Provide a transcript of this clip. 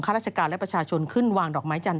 ราชการและประชาชนขึ้นวางดอกไม้จันท